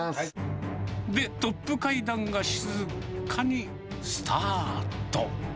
で、トップ会談が静かにスタート。